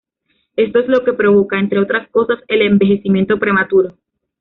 Esto es lo que provoca, entre otras cosas, el envejecimiento prematuro.